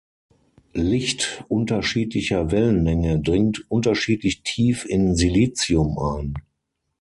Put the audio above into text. Licht unterschiedlicher Wellenlänge dringt unterschiedlich tief in Silicium ein.